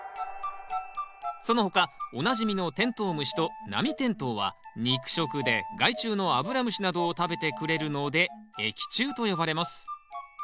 その他おなじみのテントウムシとナミテントウは肉食で害虫のアブラムシなどを食べてくれるので益虫と呼ばれます。